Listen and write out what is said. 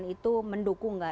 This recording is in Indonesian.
itu mendukung gak